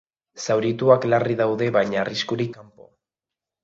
Zaurituak larri daude baina arriskurik kanpo.